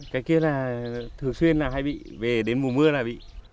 cái kia là thường xuyên là hay bị về đến mùa mưa là bị